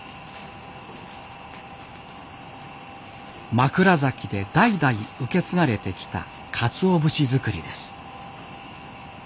枕崎で代々受け継がれてきたかつお節作りです。